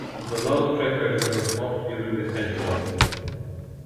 The loud crackers went off during the festival.